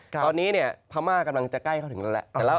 ตอนนี้พม่ากำลังจะใกล้เขาถึงแล้วแหละ